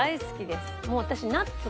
もう私。